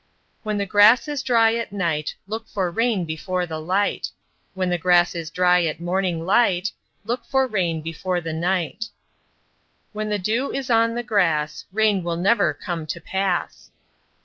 "When the grass is dry at night Look for rain before the light; When the grass is dry at morning light Look for rain before the night." "When the dew is on the grass Rain will never come to pass."